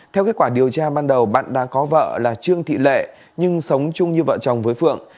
theo kết quả điều tra ban đầu bạn đang có vợ là trương thị lệ nhưng sống chung như vợ chồng với phượng